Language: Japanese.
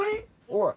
おい。